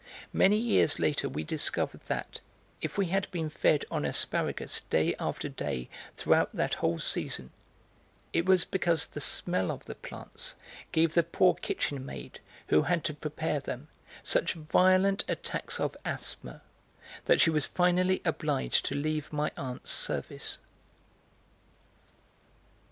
Many years later we discovered that, if we had been fed on asparagus day after day throughout that whole season, it was because the smell of the plants gave the poor kitchen maid, who had to prepare them, such violent attacks of asthma that she was finally obliged to leave my aunt's service.